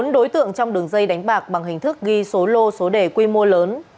bốn đối tượng trong đường dây đánh bạc bằng hình thức ghi số lô số đề quy mô lớn